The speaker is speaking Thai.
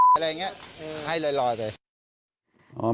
อะไรอย่างนี้ให้ลอยไป